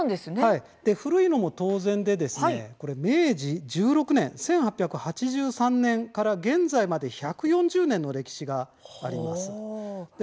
古いのも当然、これは明治１６年１８８３年から現在まで１４０年の歴史がありますあります。